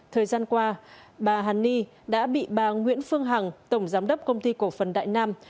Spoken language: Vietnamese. thời gian qua bà hàn ni đã bị bà nguyễn phương hằng tổng giám đốc công ty cổ phần đại nam